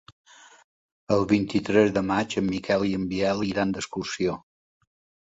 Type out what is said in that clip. El vint-i-tres de maig en Miquel i en Biel iran d'excursió.